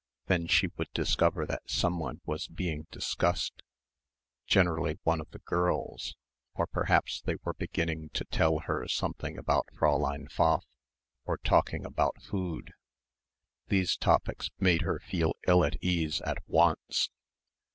Then she would discover that someone was being discussed, generally one of the girls; or perhaps they were beginning to tell her something about Fräulein Pfaff, or talking about food. These topics made her feel ill at ease at once.